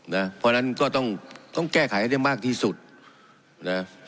นะเพราะฉะนั้นก็ต้องต้องแก้ไขให้ได้มากที่สุดนะ